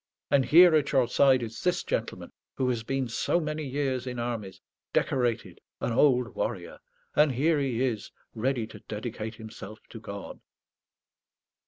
And here, at your side, is this gentleman, who has been so many years in armies decorated, an old warrior. And here he is, ready to dedicate himself to God."